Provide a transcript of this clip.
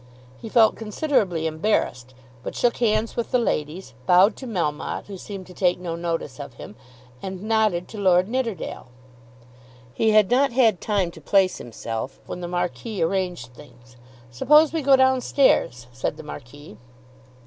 He felt considerably embarrassed, but shook hands with the ladies, bowed to Melmotte, who seemed to take no notice of him, and nodded to Lord Nidderdale. He had not had time to place himself, when the Marquis arranged things. "Suppose we go down stairs," said the Marquis.